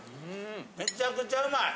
めちゃくちゃうまい！